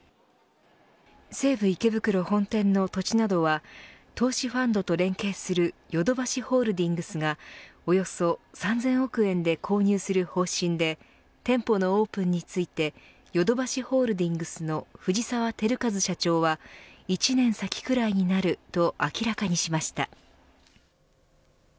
西武池袋本店の土地などは投資ファンドと連携するヨドバシホールディングスがおよそ３０００億円で購入する方針で店舗のオープンについてヨドバシホールディングスの藤沢昭和社長は１年先くらいになると明らかにしました。